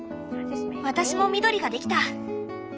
私も緑ができた！